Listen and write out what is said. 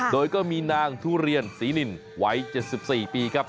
โดยก็มีนางทุเรียนศรีนินวัย๗๔ปีครับ